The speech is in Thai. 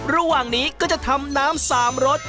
ระหว่างนี้ก็จะทำน้ำ๓รส